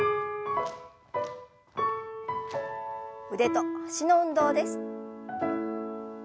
腕と脚の運動です。